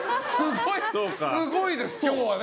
すごいです、今日はね。